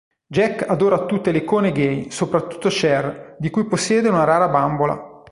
Jack adora tutte le icone gay, soprattutto Cher di cui possiede una rara bambola.